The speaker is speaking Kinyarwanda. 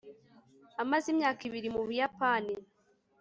amaze imyaka ibiri mu buyapani